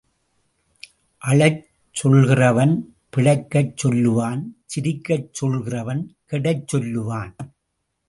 அழச் சொல்கிறவன் பிழைக்கச் சொல்லுவான் சிரிக்கச சொல்கிறவன் கெடச் சொல்லுவான்.